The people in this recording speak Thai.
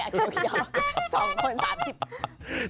๒คน๓ทิศ